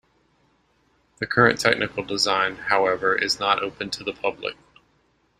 The current technical design, however, is not open to the public.